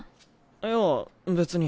いや別に。